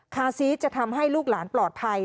คาซีสจะทำให้ลูกหลานปลอดภัย